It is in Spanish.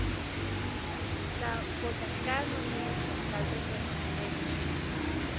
La Boyacá no tiene troncal de Transmilenio.